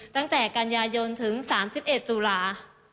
ตั้งแต่กันยายนถึง๓๑ตุลา